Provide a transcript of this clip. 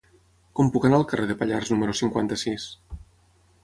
Com puc anar al carrer de Pallars número cinquanta-sis?